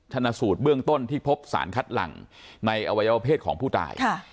ชนะสูตรเบื้องต้นที่พบสารคัดหลังในอวัยวเพศของผู้ตาย